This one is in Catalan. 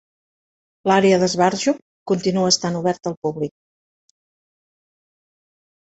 L'Àrea d'esbarjo continua estant oberta al públic.